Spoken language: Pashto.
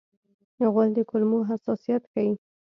غول د کولمو حساسیت ښيي.